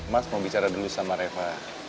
mas mau bicara dulu sama reva